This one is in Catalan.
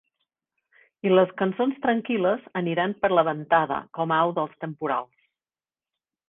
I les cançons tranquil·les aniran per la ventada com au dels temporals.